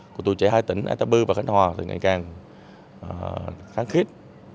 của tuổi trẻ hai tỉnh ata bư và khánh hòa thì ngày càng kháng khích